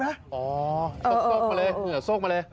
ตกมาเลยเหงื่อโซกมาเลย